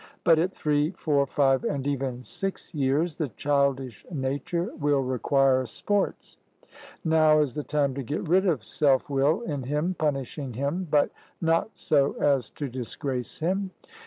But at three, four, five, and even six years the childish nature will require sports; now is the time to get rid of self will in him, punishing him, but not so as to disgrace him.